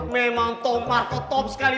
memang tom marco top sekali